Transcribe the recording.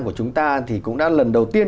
của chúng ta thì cũng đã lần đầu tiên